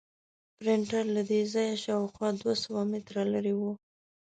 پرنټر له دې ځایه شاوخوا دوه سوه متره لرې و.